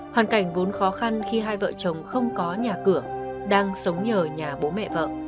hoàn cảnh vốn khó khăn khi hai vợ chồng không có nhà cửa đang sống nhờ nhà bố mẹ vợ